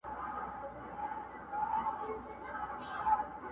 پلار و زوی ته و ویل د زړه له زوره.